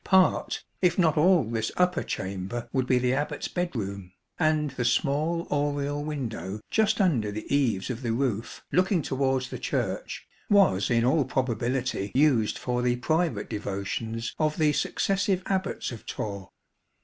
Part, if not all this upper chamber would be the Abbat's bedroom, and the small oriel window just under the eaves of the roof, looking towards the Church, was in all probability used for the private devotions of the successive Abbats of Torre.